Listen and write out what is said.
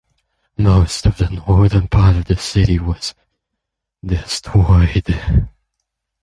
Most of the northern part of the city was destroyed.